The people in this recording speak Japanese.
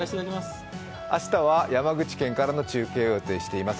明日は山口県からの中継を予定しております。